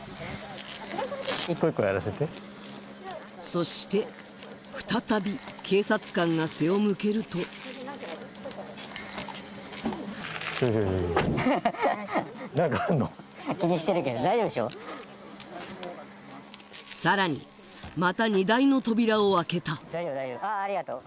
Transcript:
そして再び警察官が背を向けるとさらにまた荷台の扉を開けた大丈夫大丈夫ああありがとう